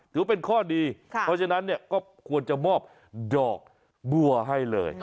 ถือว่าเป็นข้อดีเพราะฉะนั้นเนี่ยก็ควรจะมอบดอกบัวให้เลย